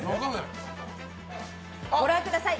ご覧ください。